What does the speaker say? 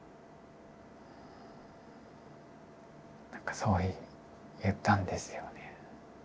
そう言ったんですよね。